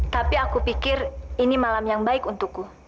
tapi aku pikir ini malam yang baik untukku